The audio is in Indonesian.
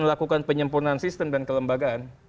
melakukan penyempurnaan sistem dan kelembagaan